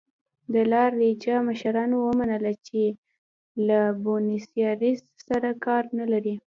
د لا رایجا مشرانو ومنله چې له بونیسایرس سره کار نه لري.